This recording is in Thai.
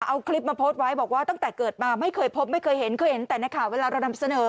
เอาคลิปมาโพสต์ไว้บอกว่าตั้งแต่เกิดมาไม่เคยพบไม่เคยเห็นเคยเห็นแต่ในข่าวเวลาเรานำเสนอ